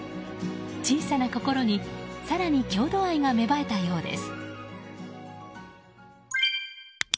小さな心に更に郷土愛が芽生えたようです。